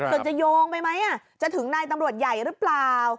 ส่วนจะโยงไปไหมจะถึงนายตำรวจใหญ่หรือเปล่า